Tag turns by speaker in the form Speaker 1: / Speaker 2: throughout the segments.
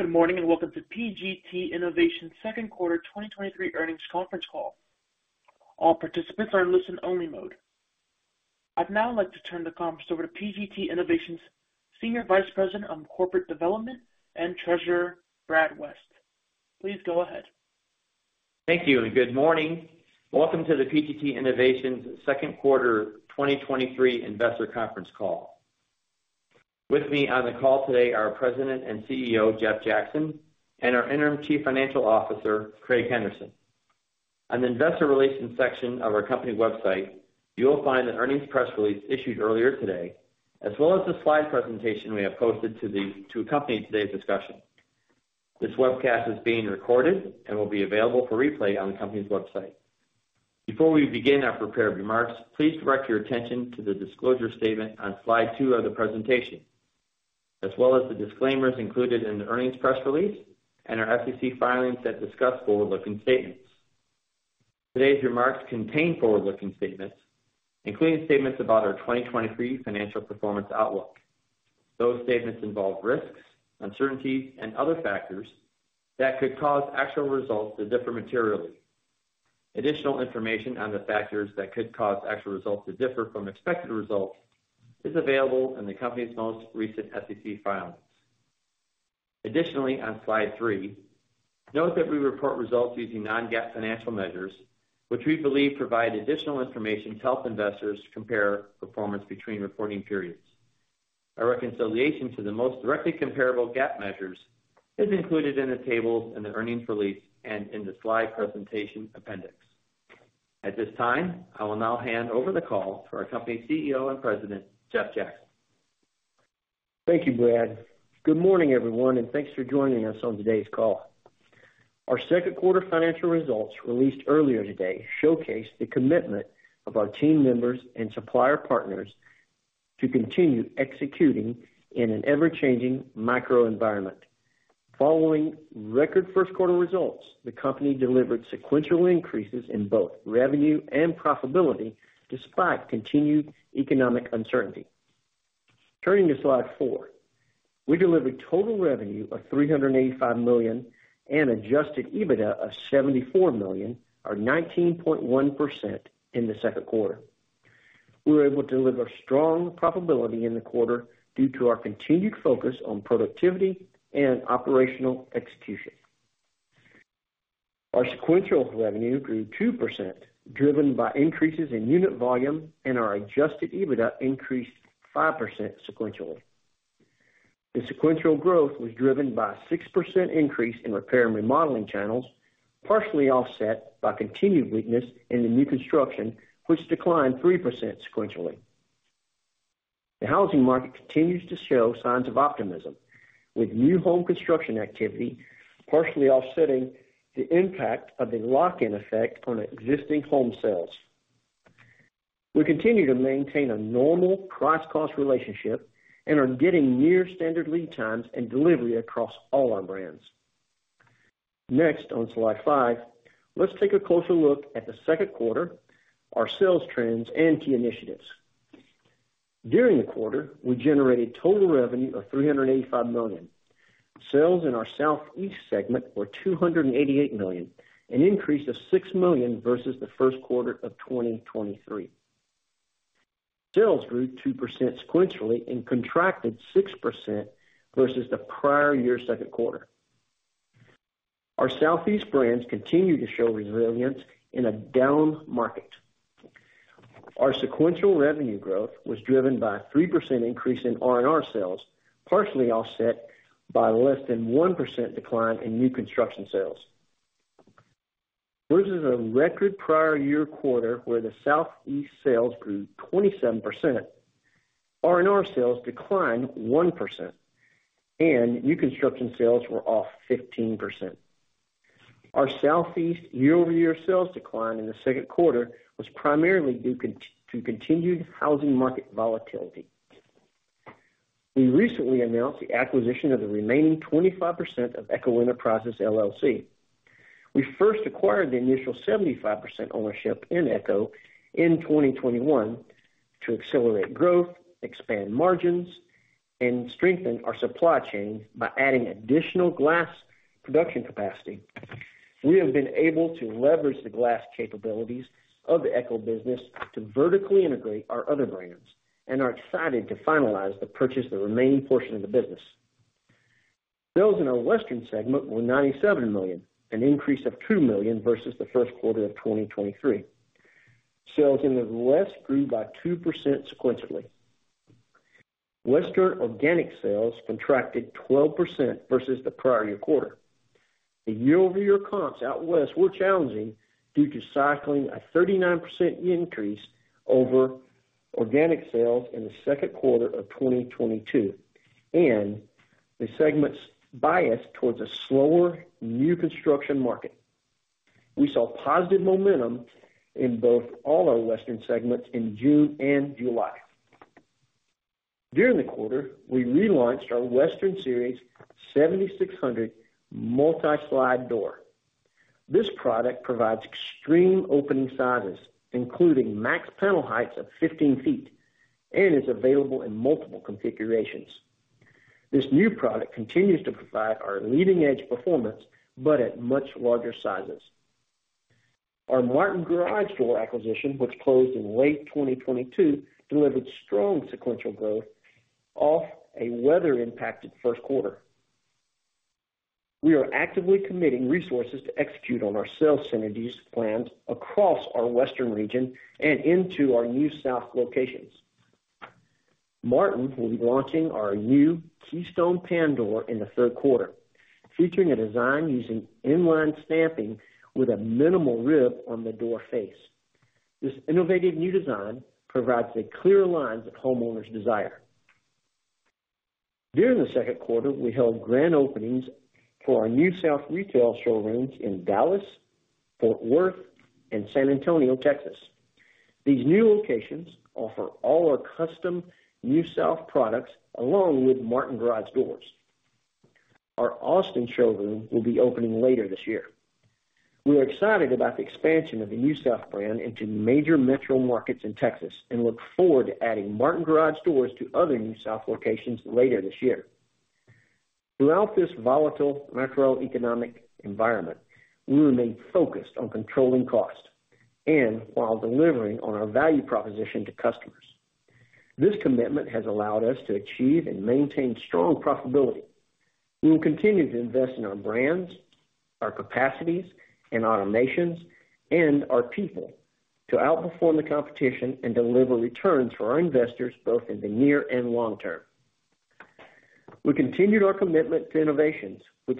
Speaker 1: Good morning, welcome to PGT Innovation's second quarter 2023 earnings conference call. All participants are in listen-only mode. I'd now like to turn the conference over to PGT Innovation's Senior Vice President of Corporate Development and Treasurer, Brad West. Please go ahead.
Speaker 2: Thank you, good morning. Welcome to the PGT Innovations second quarter 2023 investor conference call. With me on the call today are our President and CEO, Jeff Jackson, and our Interim Chief Financial Officer, Craig Henderson. On the investor relations section of our company website, you will find the earnings press release issued earlier today, as well as the slide presentation we have posted to accompany today's discussion. This webcast is being recorded and will be available for replay on the company's website. Before we begin our prepared remarks, please direct your attention to the disclosure statement on slide two of the presentation, as well as the disclaimers included in the earnings press release and our SEC filings that discuss forward-looking statements. Today's remarks contain forward-looking statements, including statements about our 2023 financial performance outlook. Those statements involve risks, uncertainties, and other factors that could cause actual results to differ materially. Additional information on the factors that could cause actual results to differ from expected results is available in the company's most recent SEC filings. Additionally, on slide three, note that we report results using non-GAAP financial measures, which we believe provide additional information to help investors compare performance between reporting periods. Our reconciliation to the most directly comparable GAAP measures is included in the tables in the earnings release and in the slide presentation appendix. At this time, I will now hand over the call to our company's CEO and President, Jeff Jackson.
Speaker 3: Thank you, Brad. Good morning, everyone, and thanks for joining us on today's call. Our second quarter financial results, released earlier today, showcase the commitment of our team members and supplier partners to continue executing in an ever-changing macro environment. Following record first quarter results, the company delivered sequential increases in both revenue and profitability despite continued economic uncertainty. Turning to slide four, we delivered total revenue of $385 million and adjusted EBITDA of $74 million, or 19.1% in the second quarter. We were able to deliver strong profitability in the quarter due to our continued focus on productivity and operational execution. Our sequential revenue grew 2%, driven by increases in unit volume, and our adjusted EBITDA increased 5% sequentially. The sequential growth was driven by a 6% increase in repair and remodeling channels, partially offset by continued weakness in the new construction, which declined 3% sequentially. The housing market continues to show signs of optimism, with new home construction activity partially offsetting the impact of the lock-in effect on existing home sales. We continue to maintain a normal price-cost relationship and are getting near standard lead times and delivery across all our brands. Next, on slide five, let's take a closer look at the second quarter, our sales trends, and key initiatives. During the quarter, we generated total revenue of $385 million. Sales in our Southeast segment were $288 million, an increase of $6 million versus the first quarter of 2023. Sales grew 2% sequentially and contracted 6% versus the prior year's second quarter. Our Southeast segment continue to show resilience in a down market. Our sequential revenue growth was driven by a 3% increase in R&R sales, partially offset by less than 1% decline in new construction sales. Versus a record prior year quarter, where the Southeast sales grew 27%, R&R sales declined 1%, and new construction sales were off 15%. Our Southeast year-over-year sales decline in the second quarter was primarily due to continued housing market volatility. We recently announced the acquisition of the remaining 25% of Eco Enterprises, LLC. We first acquired the initial 75% ownership in Eco in 2021 to accelerate growth, expand margins, and strengthen our supply chain by adding additional glass production capacity. We have been able to leverage the glass capabilities of the Eco business to vertically integrate our other brands and are excited to finalize the purchase of the remaining portion of the business. Sales in our Western segment were $97 million, an increase of $2 million versus the first quarter of 2023. Sales in the West grew by 2% sequentially. Western organic sales contracted 12% versus the prior year quarter. The year-over-year comps out West were challenging due to cycling a 39% increase over organic sales in the second quarter of 2022 and the segment's bias towards a slower new construction market. We saw positive momentum in both all our Western segments in June and July. During the quarter, we relaunched our Western Series 7600 Multi-Slide Door. This product provides extreme opening sizes, including max panel heights of 15 feet, and is available in multiple configurations. This new product continues to provide our leading-edge performance, but at much larger sizes. Our Martin Door acquisition, which closed in late 2022, delivered strong sequential growth off a weather-impacted first quarter. We are actively committing resources to execute on our sales synergies plans across our Western region and into our NewSouth locations. Martin will be launching our new Keystone Pan Door in the third quarter, featuring a design using inline stamping with a minimal rib on the door face. This innovative new design provides the clear lines that homeowners desire. During the second quarter, we held grand openings for our NewSouth retail showrooms in Dallas, Fort Worth, and San Antonio, Texas. These new locations offer all our custom NewSouth products, along with Martin Garage Doors. Our Austin showroom will be opening later this year. We are excited about the expansion of the NewSouth brand into major metro markets in Texas, look forward to adding Martin Garage Doors to other NewSouth locations later this year. Throughout this volatile macroeconomic environment, we remain focused on controlling costs and while delivering on our value proposition to customers. This commitment has allowed us to achieve and maintain strong profitability. We will continue to invest in our brands, our capacities, and automations, and our people to outperform the competition and deliver returns for our investors, both in the near and long term. We continued our commitment to innovations, which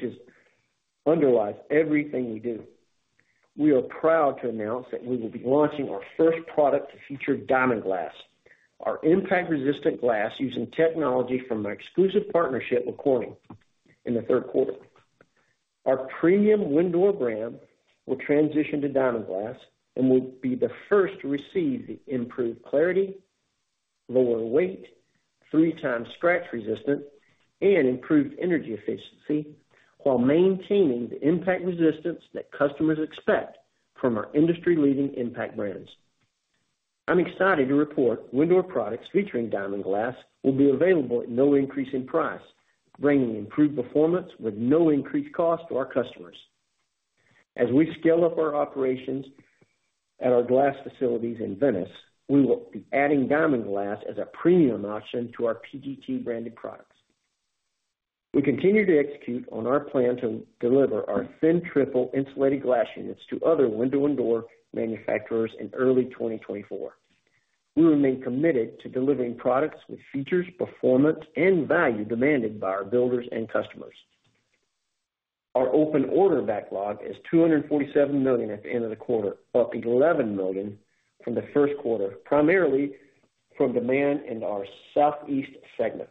Speaker 3: underlies everything we do. We are proud to announce that we will be launching our first product to feature Diamond Glass, our impact-resistant glass, using technology from our exclusive partnership with Corning in the third quarter. Our premium window brand will transition to Diamond Glass and will be the first to receive the improved clarity, lower weight, 3 times scratch resistant, and improved energy efficiency, while maintaining the impact resistance that customers expect from our industry-leading impact brands. I'm excited to report window or products featuring Diamond Glass will be available at no increase in price, bringing improved performance with no increased cost to our customers. As we scale up our operations at our glass facilities in Venice, we will be adding Diamond Glass as a premium option to our PGT-branded products. We continue to execute on our plan to deliver our Thin Triple Insulated Glass Units to other window and door manufacturers in early 2024. We remain committed to delivering products with features, performance, and value demanded by our builders and customers. Our open order backlog is $247 million at the end of the quarter, up $11 million from the first quarter, primarily from demand in our Southeast segment.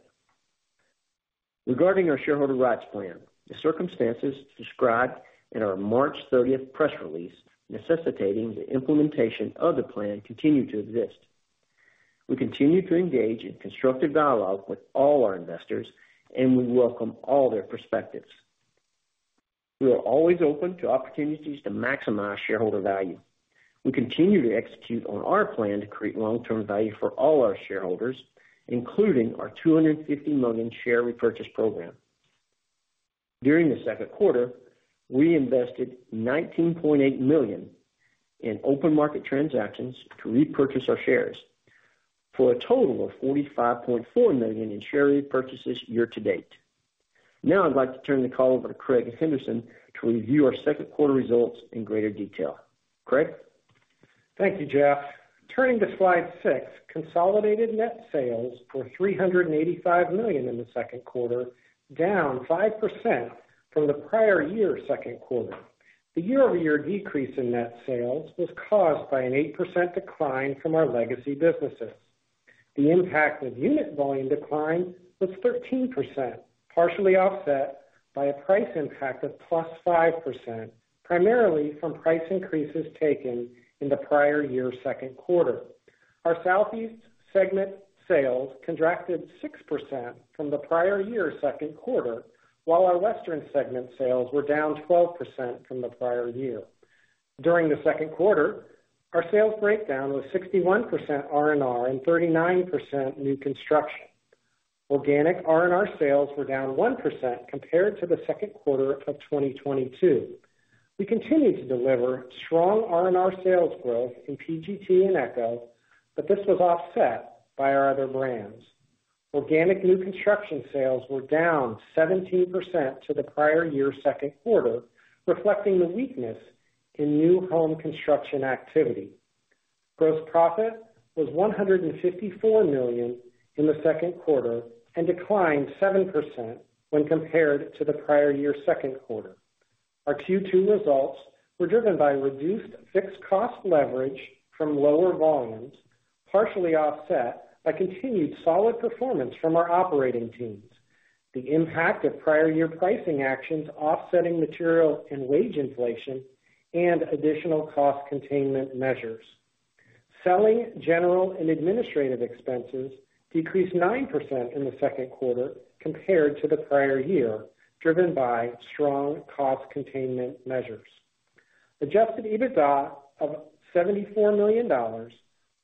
Speaker 3: Regarding our shareholder rights plan, the circumstances described in our March 30th press release necessitating the implementation of the plan continue to exist. We continue to engage in constructive dialogue with all our investors, and we welcome all their perspectives. We are always open to opportunities to maximize shareholder value. We continue to execute on our plan to create long-term value for all our shareholders, including our $250 million share repurchase program. During the second quarter, we invested $19.8 million in open market transactions to repurchase our shares for a total of $45.4 million in share repurchases year to date. I'd like to turn the call over to Craig Henderson to review our second quarter results in greater detail. Craig?
Speaker 4: Thank you, Jeff. Turning to slide six, consolidated net sales were $385 million in the second quarter, down 5% from the prior year's second quarter. The year-over-year decrease in net sales was caused by an 8% decline from our legacy businesses. The impact of unit volume decline was 13%, partially offset by a price impact of +5%, primarily from price increases taken in the prior year's second quarter. Our Southeast segment sales contracted 6% from the prior year's second quarter, while our Western segment sales were down 12% from the prior year. During the second quarter, our sales breakdown was 61% R&R and 39% new construction. Organic R&R sales were down 1% compared to the second quarter of 2022. We continued to deliver strong R&R sales growth in PGT and Eco. This was offset by our other brands. Organic new construction sales were down 17% to the prior year's second quarter, reflecting the weakness in new home construction activity. Gross profit was $154 million in the second quarter and declined 7% when compared to the prior year's second quarter. Our Q2 results were driven by reduced fixed cost leverage from lower volumes, partially offset by continued solid performance from our operating teams, the impact of prior year pricing actions offsetting material and wage inflation, and additional cost containment measures. Selling general and administrative expenses decreased 9% in the second quarter compared to the prior year, driven by strong cost containment measures. Adjusted EBITDA of $74 million, or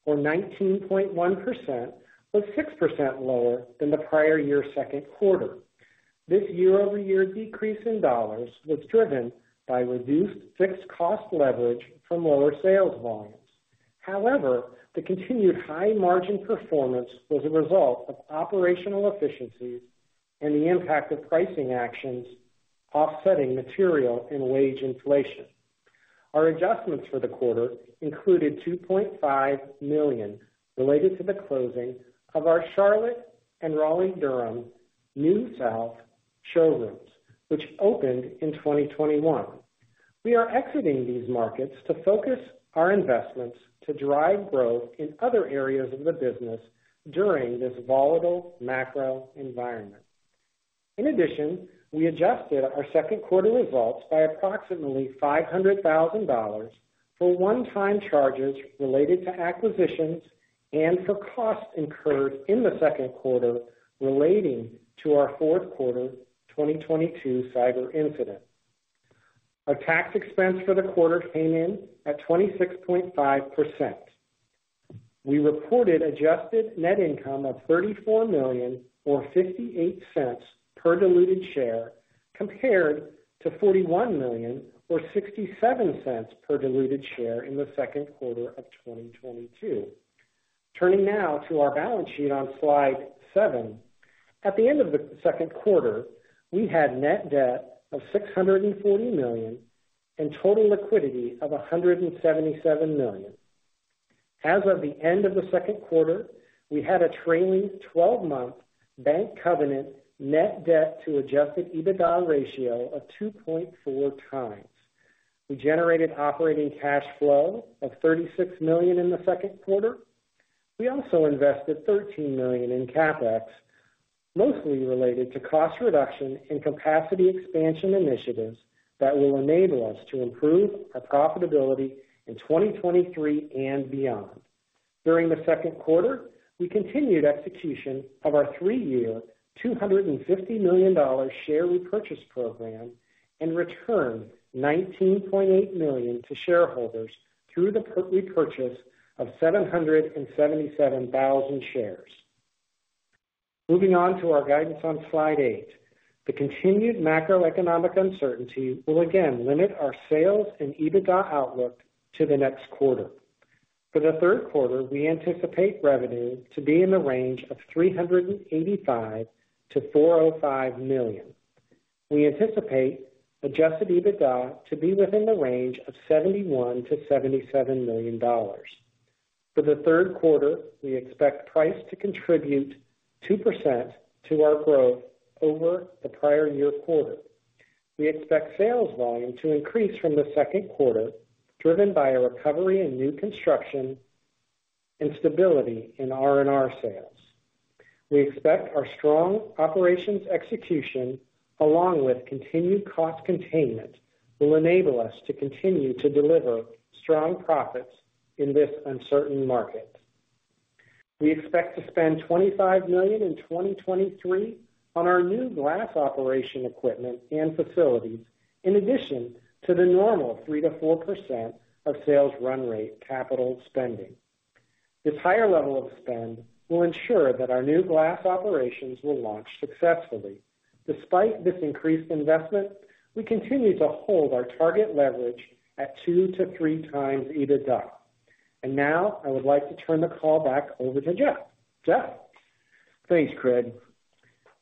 Speaker 4: 19.1%, was 6% lower than the prior year's second quarter. This year-over-year decrease in dollars was driven by reduced fixed cost leverage from lower sales volumes. The continued high margin performance was a result of operational efficiencies and the impact of pricing actions offsetting material and wage inflation. Our adjustments for the quarter included $2.5 million, related to the closing of our Charlotte and Raleigh-Durham, NewSouth showrooms, which opened in 2021. We are exiting these markets to focus our investments to drive growth in other areas of the business during this volatile macro environment. We adjusted our second quarter results by approximately $500,000 for one-time charges related to acquisitions and for costs incurred in the second quarter relating to our fourth quarter 2022 cyber incident. Our tax expense for the quarter came in at 26.5%. We reported adjusted net income of $34 million, or $0.58 per diluted share, compared to $41 million or $0.67 per diluted share in the second quarter of 2022. Turning now to our balance sheet on slide seven. At the end of the second quarter, we had net debt of $640 million and total liquidity of $177 million. As of the end of the second quarter, we had a trailing 12-month bank covenant net debt to adjusted EBITDA ratio of 2.4 times. We generated operating cash flow of $36 million in the second quarter. We also invested $13 million in CapEx, mostly related to cost reduction and capacity expansion initiatives that will enable us to improve our profitability in 2023 and beyond. During the second quarter, we continued execution of our three-year, $250 million share repurchase program and returned $19.8 million to shareholders through the repurchase of 777,000 shares. Moving on to our guidance on Slide eight. The continued macroeconomic uncertainty will again limit our sales and EBITDA outlook to the next quarter. For the third quarter, we anticipate revenue to be in the range of $385 million-$405 million. We anticipate adjusted EBITDA to be within the range of $71 million-$77 million. For the third quarter, we expect price to contribute 2% to our growth over the prior year quarter. We expect sales volume to increase from the second quarter, driven by a recovery in new construction and stability in R&R sales. We expect our strong operations execution, along with continued cost containment, will enable us to continue to deliver strong profits in this uncertain market. We expect to spend $25 million in 2023 on our new glass operation equipment and facilities, in addition to the normal 3%-4% of sales run rate CapEx. This higher level of spend will ensure that our new glass operations will launch successfully. Despite this increased investment, we continue to hold our target leverage at 2x-3x EBITDA. Now, I would like to turn the call back over to Jeff. Jeff?
Speaker 3: Thanks, Craig.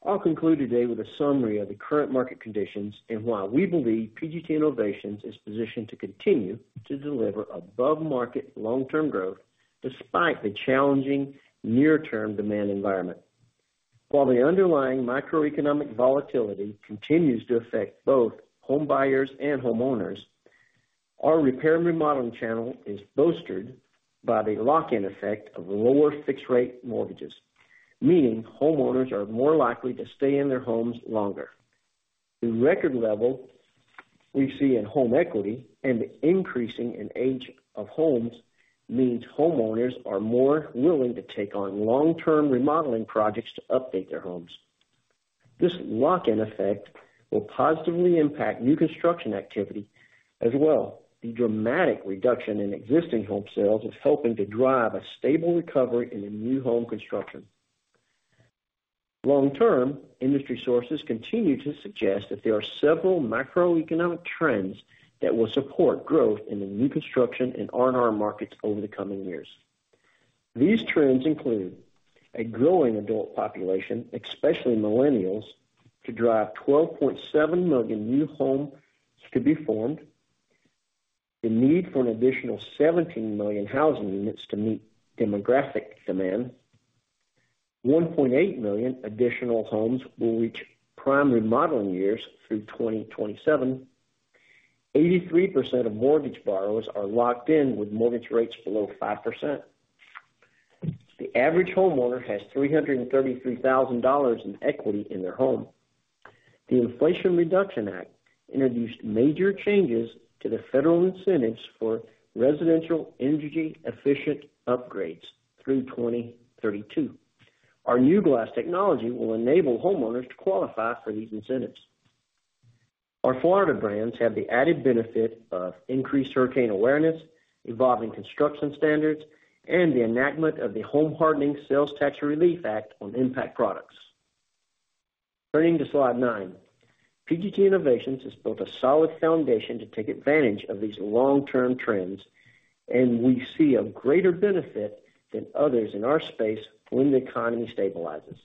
Speaker 3: I'll conclude today with a summary of the current market conditions and why we believe PGT Innovations is positioned to continue to deliver above-market long-term growth despite the challenging near-term demand environment. While the underlying microeconomic volatility continues to affect both home buyers and homeowners, our repair and remodeling channel is bolstered by the lock-in effect of lower fixed rate mortgages, meaning homeowners are more likely to stay in their homes longer. The record level we see in home equity and increasing in age of homes, means homeowners are more willing to take on long-term remodeling projects to update their homes. This lock-in effect will positively impact new construction activity as well. The dramatic reduction in existing home sales is helping to drive a stable recovery in the new home construction. Long-term, industry sources continue to suggest that there are several macroeconomic trends that will support growth in the new construction and R&R markets over the coming years. These trends include a growing adult population, especially millennials, to drive 12.7 million new homes to be formed, the need for an additional 17 million housing units to meet demographic demand. 1.8 million additional homes will reach prime remodeling years through 2027. 83% of mortgage borrowers are locked in with mortgage rates below 5%.... The average homeowner has $333,000 in equity in their home. The Inflation Reduction Act introduced major changes to the federal incentives for residential energy-efficient upgrades through 2032. Our new glass technology will enable homeowners to qualify for these incentives. Our Florida brands have the added benefit of increased hurricane awareness, evolving construction standards, and the enactment of the Home Hardening Sales Tax Relief Act on impact products. Turning to slide 9. PGT Innovations has built a solid foundation to take advantage of these long-term trends. We see a greater benefit than others in our space when the economy stabilizes.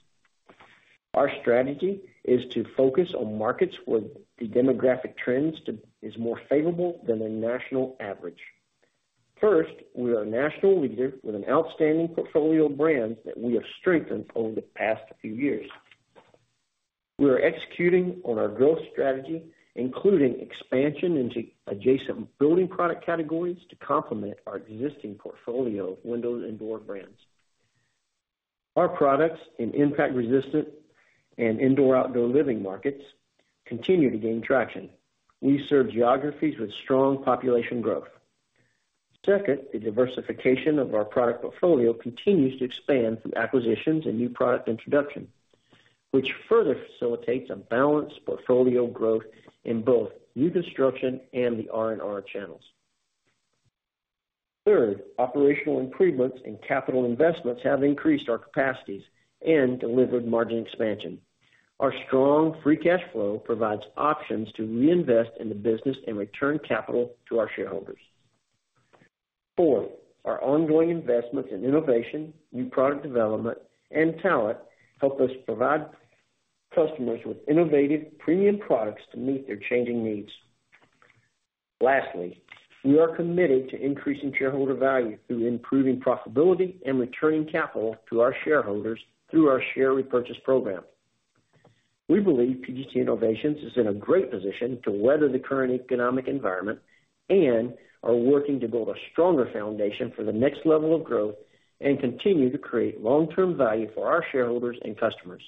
Speaker 3: Our strategy is to focus on markets where the demographic trends is more favorable than the national average. First, we are a national leader with an outstanding portfolio of brands that we have strengthened over the past few years. We are executing on our growth strategy, including expansion into adjacent building product categories to complement our existing portfolio of windows and door brands. Our products in impact-resistant and indoor-outdoor living markets continue to gain traction. We serve geographies with strong population growth. Second, the diversification of our product portfolio continues to expand through acquisitions and new product introduction, which further facilitates a balanced portfolio growth in both new construction and the R&R channels. Third, operational improvements and capital investments have increased our capacities and delivered margin expansion. Our strong free cash flow provides options to reinvest in the business and return capital to our shareholders. Four, our ongoing investments in innovation, new product development, and talent help us provide customers with innovative premium products to meet their changing needs. Lastly, we are committed to increasing shareholder value through improving profitability and returning capital to our shareholders through our share repurchase program. We believe PGT Innovations is in a great position to weather the current economic environment and are working to build a stronger foundation for the next level of growth and continue to create long-term value for our shareholders and customers.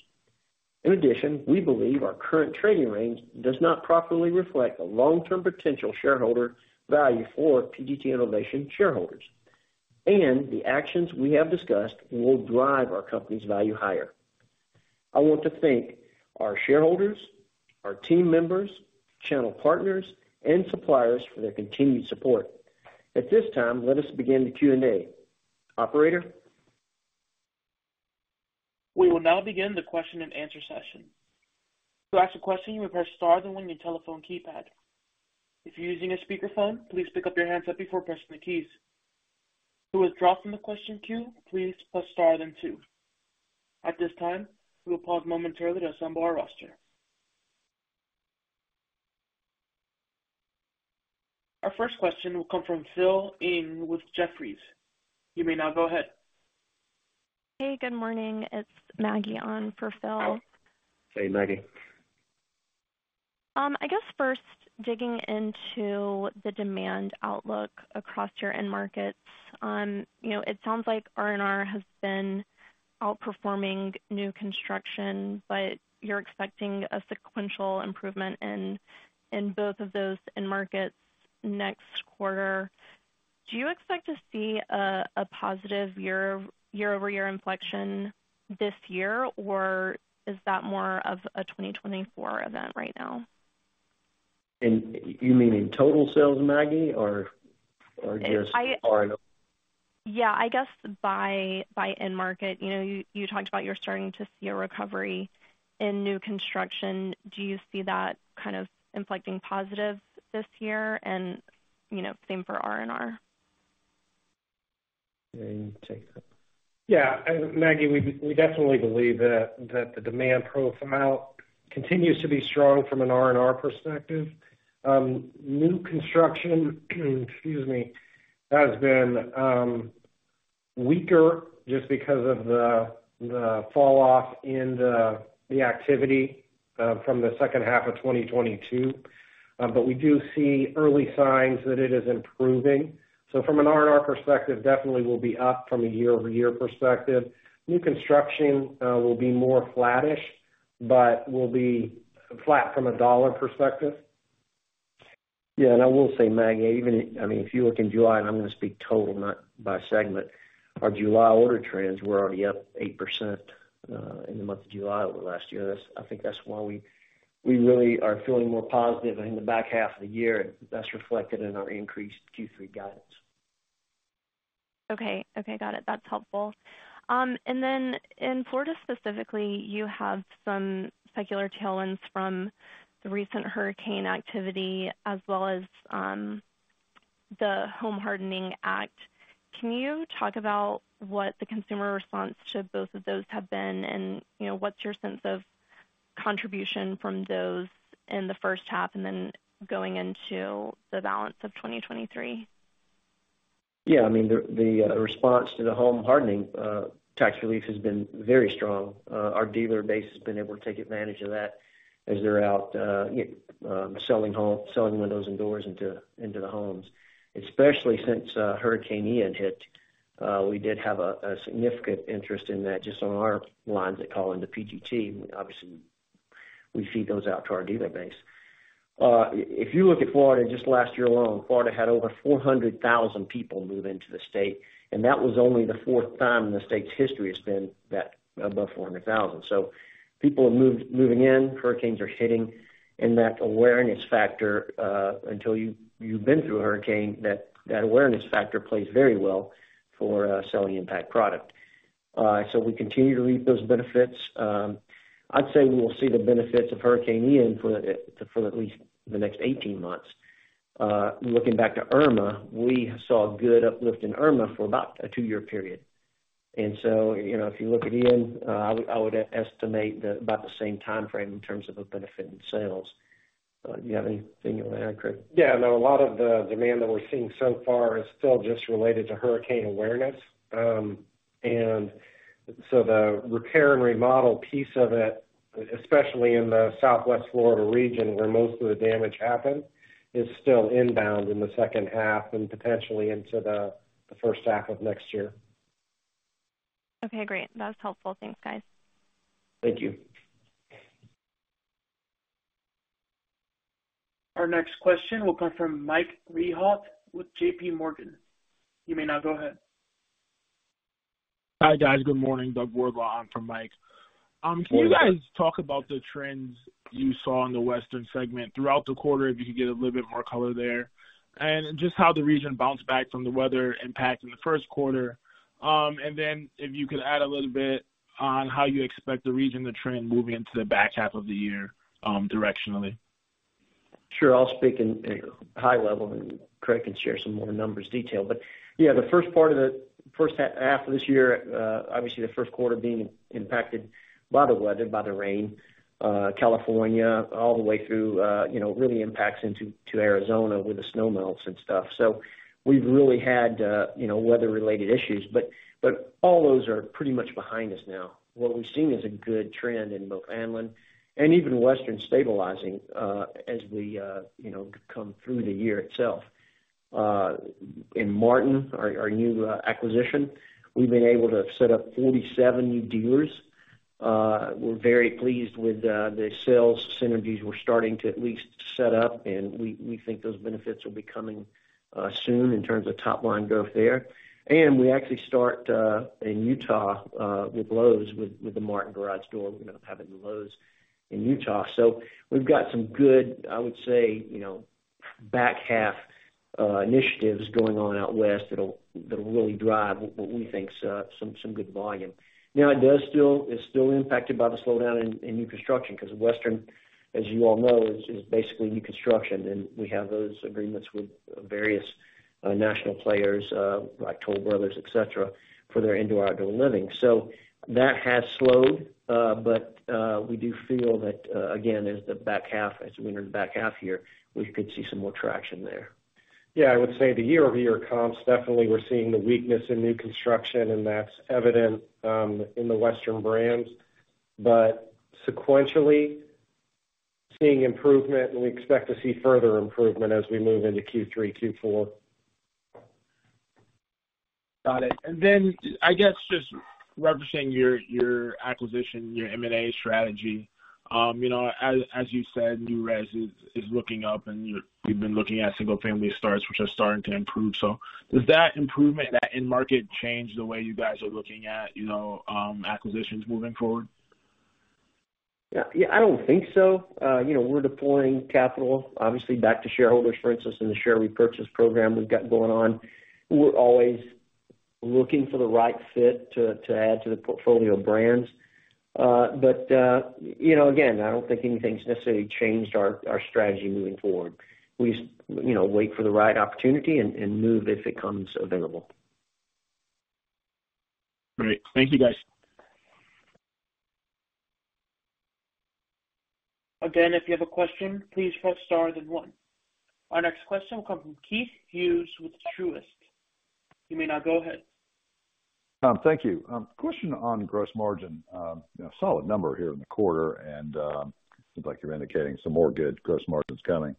Speaker 3: In addition, we believe our current trading range does not properly reflect the long-term potential shareholder value for PGT Innovations shareholders. The actions we have discussed will drive our company's value higher. I want to thank our shareholders, our team members, channel partners, and suppliers for their continued support. At this time, let us begin the Q&A. Operator?
Speaker 1: We will now begin the question-and-answer session. To ask a question, you may press star on your telephone keypad. If you're using a speakerphone, please pick up your handset before pressing the keys. Who has dropped from the question queue, please press star then two. At this time, we will pause momentarily to assemble our roster. Our first question will come from Philip Ng with Jefferies. You may now go ahead.
Speaker 5: Hey, good morning. It's Maggie on for Phil.
Speaker 3: Hey, Maggie.
Speaker 5: I guess first, digging into the demand outlook across your end markets, you know, it sounds like R&R has been outperforming new construction, but you're expecting a sequential improvement in both of those end markets next quarter. Do you expect to see a positive year-over-year inflection this year, or is that more of a 2024 event right now?
Speaker 3: You mean in total sales, Maggie, or, or just R&R?
Speaker 5: Yeah, I guess by, by end market. You know, you, you talked about you're starting to see a recovery in new construction. Do you see that kind of inflecting positive this year? You know, same for R&R?
Speaker 3: You take that.
Speaker 4: Yeah, Maggie, we, we definitely believe that, that the demand profile continues to be strong from an R&R perspective. New construction, excuse me, has been weaker just because of the falloff in the activity from the second half of 2022. We do see early signs that it is improving. From an R&R perspective, definitely will be up from a year-over-year perspective. New construction will be more flattish, but will be flat from a dollar perspective.
Speaker 3: Yeah, and I will say, Maggie, even if... I mean, if you look in July, and I'm going to speak total, not by segment, our July order trends were already up 8% in the month of July over last year. I think that's why we, we really are feeling more positive in the back half of the year. That's reflected in our increased Q3 guidance.
Speaker 5: Okay. Okay, got it. That's helpful. Then in Florida, specifically, you have some secular tailwinds from the recent hurricane activity as well as, the Home Hardening Act. Can you talk about what the consumer response to both of those have been? You know, what's your sense of contribution from those in the first half and then going into the balance of 2023?
Speaker 3: Yeah, I mean, the response to the Home Hardening Sales Tax Relief Act has been very strong. Our dealer base has been able to take advantage of that as they're out selling windows and doors into the homes. Especially since Hurricane Ian hit, we did have a significant interest in that just on our lines that call into PGT. Obviously, we feed those out to our dealer base. If you look at Florida, just last year alone, Florida had over 400,000 people move into the state, and that was only the fourth time in the state's history it's been that above 400,000. People are moving in, hurricanes are hitting, and that awareness factor, until you, you've been through a hurricane, that, that awareness factor plays very well for selling impact product. So we continue to reap those benefits. I'd say we will see the benefits of Hurricane Ian for, for at least the next 18 months. Looking back to Irma, we saw a good uplift in Irma for about a two-year period. You know, if you look at Ian, I would, I would estimate about the same time frame in terms of a benefit in sales. Do you have anything you wanna add, Craig?
Speaker 4: Yeah, no, a lot of the demand that we're seeing so far is still just related to hurricane awareness. The repair and remodel piece of it, especially in the Southwest Florida region, where most of the damage happened, is still inbound in the second half and potentially into the, the first half of next year.
Speaker 1: Okay, great. That was helpful. Thanks, guys.
Speaker 3: Thank you.
Speaker 1: Our next question will come from Mike Rehaut with J.P. Morgan. You may now go ahead.
Speaker 6: Hi, guys. Good morning. Doug Wardlaw in for Mike. Can you guys talk about the trends you saw in the Western segment throughout the quarter, if you could get a little bit more color there? Just how the region bounced back from the weather impact in the first quarter. Then if you could add a little bit on how you expect the region to trend moving into the back half of the year, directionally.
Speaker 3: Sure. I'll speak in high level, and Craig can share some more numbers detail. But yeah, the first part of the first half of this year, obviously the first quarter being impacted by the weather, by the rain, California, all the way through, you know, it really impacts into to Arizona, where the snow melts and stuff. So we've really had, you know, weather-related issues, but, but all those are pretty much behind us now. What we've seen is a good trend in both Anlin and even Western stabilizing, as we, you know, come through the year itself. In Martin, our, our new acquisition, we've been able to set up 47 new dealers. We're very pleased with the sales synergies we're starting to at least set up, and we, we think those benefits will be coming soon in terms of top line growth there. We actually start in Utah with Lowe's, with the Martin garage door. We're going to have it in Lowe's in Utah. We've got some good, I would say, you know, back half initiatives going on out west that'll, that'll really drive what we think is some good volume. It does still, it's still impacted by the slowdown in new construction, 'cause Western, as you all know, is basically new construction, and we have those agreements with various national players, like Toll Brothers, et cetera, for their indoor, outdoor living. That has slowed, but we do feel that again, as the back half, as we enter the back half here, we could see some more traction there.
Speaker 4: Yeah, I would say the year-over-year comps, definitely, we're seeing the weakness in new construction, and that's evident, in the Western brands, but sequentially, seeing improvement, and we expect to see further improvement as we move into Q3, Q4.
Speaker 6: Got it. Then, I guess, just leveraging your, your acquisition, your M&A strategy. You know, as, as you said, new res is, is looking up, and we've been looking at single-family starts, which are starting to improve. Does that improvement in that end market change the way you guys are looking at, you know, acquisitions moving forward?
Speaker 3: Yeah, yeah, I don't think so. You know, we're deploying capital, obviously, back to shareholders, for instance, in the share repurchase program we've got going on. We're always looking for the right fit to, to add to the portfolio of brands. You know, again, I don't think anything's necessarily changed our, our strategy moving forward. We just, you know, wait for the right opportunity and, and move if it comes available.
Speaker 6: Great. Thank you, guys.
Speaker 1: Again, if you have a question, please press star then one. Our next question will come from Keith Hughes with Truist. You may now go ahead.
Speaker 7: Thank you. Question on gross margin. You know, solid number here in the quarter and, looks like you're indicating some more good gross margins coming.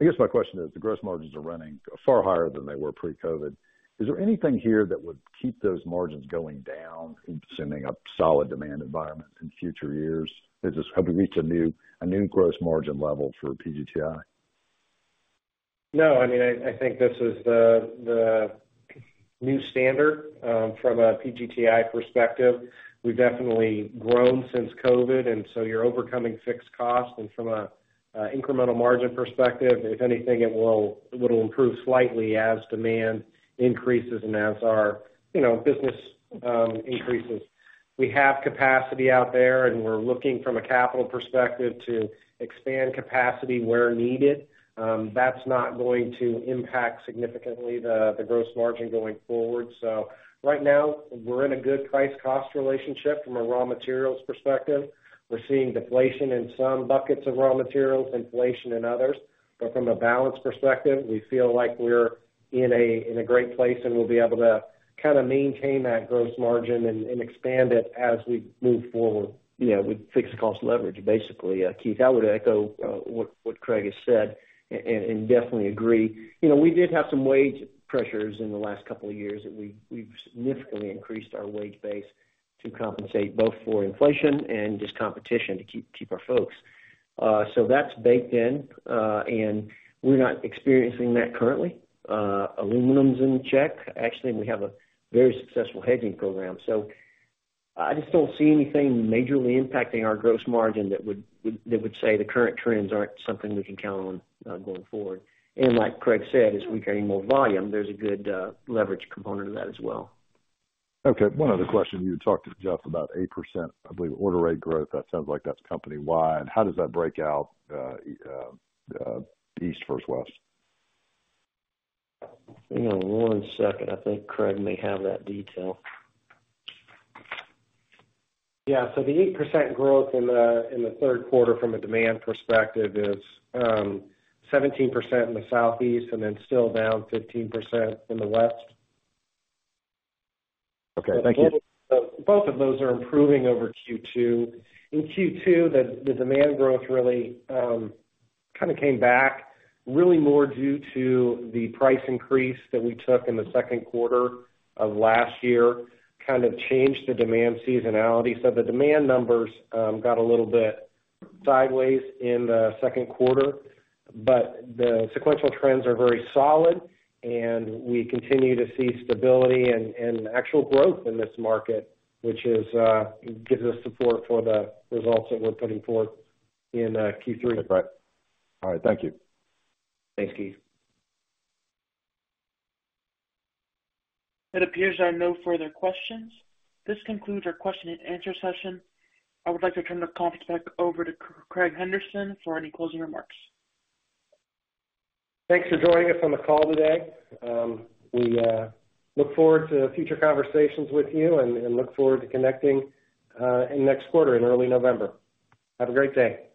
Speaker 7: I guess my question is, the gross margins are running far higher than they were pre-COVID. Is there anything here that would keep those margins going down in sending a solid demand environment in future years? Is this, have we reached a new, a new gross margin level for PGTI?
Speaker 4: No, I mean, I, I think this is the, the new standard from a PGTI perspective. We've definitely grown since COVID, and so you're overcoming fixed costs. From a, a incremental margin perspective, if anything, it will, it'll improve slightly as demand increases and as our, you know, business increases. We have capacity out there, and we're looking from a capital perspective to expand capacity where needed. That's not going to impact significantly the, the gross margin going forward. Right now, we're in a good price cost relationship from a raw materials perspective. We're seeing deflation in some buckets of raw materials, inflation in others, but from a balance perspective, we feel like we're in a, in a great place, and we'll be able to kind of maintain that gross margin and, and expand it as we move forward.
Speaker 3: Yeah, with fixed cost leverage, basically, Keith, I would echo what, what Craig has said and, and definitely agree. You know, we did have some wage pressures in the last couple of years, and we've, we've significantly increased our wage base. To compensate both for inflation and just competition to keep, keep our folks. So that's baked in, and we're not experiencing that currently. Aluminum's in check. Actually, we have a very successful hedging program. I just don't see anything majorly impacting our gross margin that would say the current trends aren't something we can count on going forward. Like Craig said, as we carry more volume, there's a good leverage component of that as well.
Speaker 7: Okay. One other question. You talked to Jeff about 8%, I believe, order rate growth. That sounds like that's company-wide. How does that break out, East versus West?
Speaker 3: Hang on one second. I think Craig may have that detail.
Speaker 4: Yeah. The 8% growth in the, in the third quarter from a demand perspective is 17% in the Southeast and then still down 15% in the West.
Speaker 7: Okay. Thank you.
Speaker 4: Both of those are improving over Q2. In Q2, the, the demand growth really, kind of came back really more due to the price increase that we took in the second quarter of last year, kind of changed the demand seasonality. The demand numbers, got a little bit sideways in the second quarter, but the sequential trends are very solid, and we continue to see stability and, and actual growth in this market, which is, gives us support for the results that we're putting forth in, Q3.
Speaker 7: That's right. All right. Thank you.
Speaker 4: Thanks, Keith.
Speaker 1: It appears there are no further questions. This concludes our question and answer session. I would like to turn the conference back over to Craig Henderson for any closing remarks.
Speaker 4: Thanks for joining us on the call today. We look forward to future conversations with you and look forward to connecting in next quarter, in early November. Have a great day.